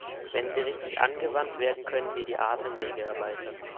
Wenn sie richtig angewandt werden, können sie die Atemwege erweitern.